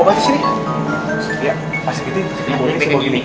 pak sri kiti pak sri kiti boleh seperti ini